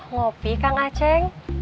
lopi kang aceh